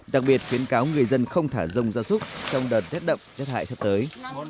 đặc biệt khuyến cáo người dân không thả rông ra súc trong đợt rét đậm rét hại thật tới